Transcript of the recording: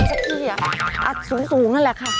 อาจสูงนั่นแหละค่ะ